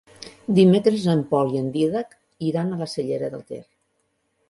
Dimecres en Pol i en Dídac iran a la Cellera de Ter.